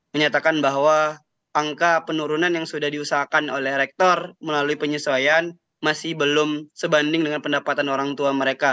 menyatakan bahwa angka penurunan yang sudah diusahakan oleh rektor melalui penyesuaian masih belum sebanding dengan pendapatan orang tua mereka